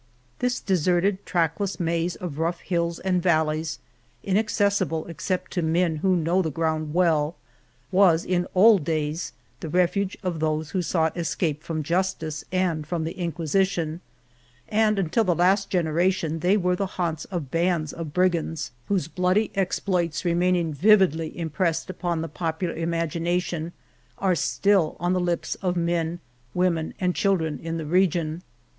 This deserted, trackless maze of rough hills and valleys, inaccessible except to men who know the ground well, was in old days the refuge of those who sought escape from jus tice and from the Inquisition, and until the last generation they were the haunts of bands of brigands, whose bloody exploits remaining vividly impressed upon the popular imagina The Morena tion, are still on the lips of men, women, and children in the region.